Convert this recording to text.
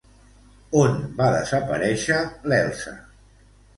On va desaparèixer l'Elsa?